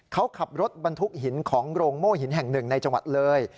เขาขับรถบรรทุกหินของโรงโม่หินแห่งหนึ่งในจังหวัดเลย